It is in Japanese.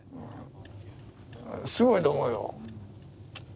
すごいと思うよ。